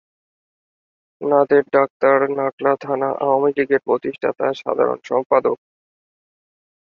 Nader doctor Nakla থানা আওয়ামীলীগের প্রতিষ্ঠাতা সাধারণ সম্পাদক।